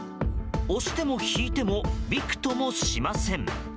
押しても引いてもびくともしません。